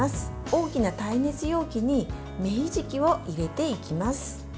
大きな耐熱容器に芽ひじきを入れていきます。